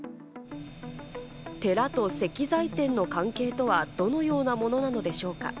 寺と石材店の関係とは、どのようなものなのでしょうか？